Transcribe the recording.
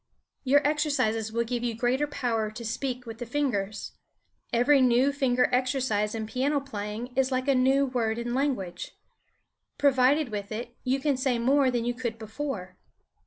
Your exercises will give you greater power to speak with the fingers. Every new finger exercise in piano playing is like a new word in language. Provided with it, you can say more than you could before.